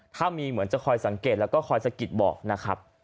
ถ้ามีเหมือนจะคอยสังเกตแล้วก็คอยสะกิดบอกนะครับ